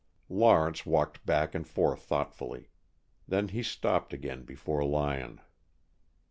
Lawrence walked back and forth thoughtfully. Then he stopped again before Lyon.